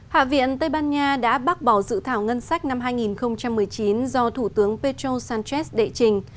hạ viện tây ban nha đã bác bỏ dự thảo ngân sách năm hai nghìn một mươi chín do thủ tướng pedro sánchez đệ trình